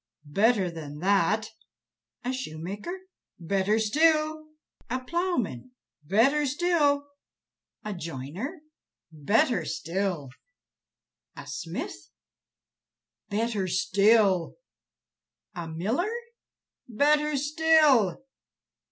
"Better than that." "A shoemaker?" "Better still!" "A plowman?" "Better still!" "A joiner?" "Better still!" "A smith?" "Better still!" "A miller?" "Better still!"